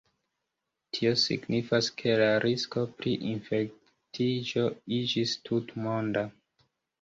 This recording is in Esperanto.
Tio signifas ke la risko pri infektiĝo iĝis tutmonda.